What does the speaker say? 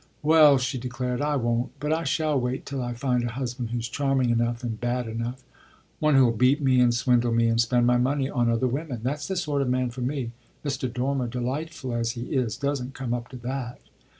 "Well," she declared, "I won't, but I shall wait till I find a husband who's charming enough and bad enough. One who'll beat me and swindle me and spend my money on other women that's the sort of man for me. Mr. Dormer, delightful as he is, doesn't come up to that."